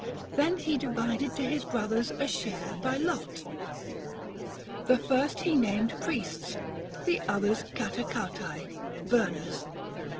Then he divided to his brother a share by lot. The first he named priests, the others catacautae (burners).